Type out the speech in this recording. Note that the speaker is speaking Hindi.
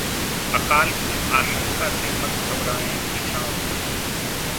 'अकाल की आशंका से मत घबराएं किसान'